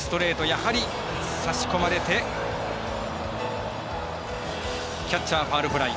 やはり差し込まれてキャッチャーファウルフライ。